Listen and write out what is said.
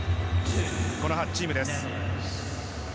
この８チームです。